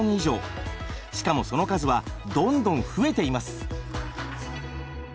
しかもその数はどんどん増えています。